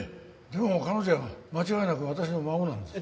でも彼女は間違いなく私の孫なんです。